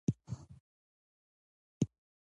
فرید وویل: د دې ناواده کورنۍ په اړه څه وایې؟